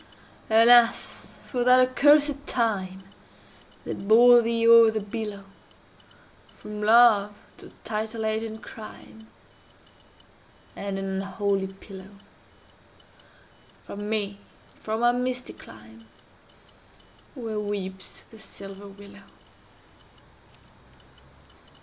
Alas! for that accursed time They bore thee o'er the billow, From Love to titled age and crime, And an unholy pillow!— From me, and from our misty clime, Where weeps the silver willow!